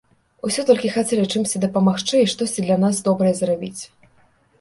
Усё толькі хацелі чымсьці дапамагчы і штосьці для нас добрае зрабіць.